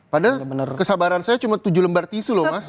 padahal kesabaran saya cuma tujuh lembar tisu loh mas